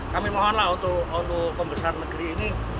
kami mohonlah untuk pembesar negeri ini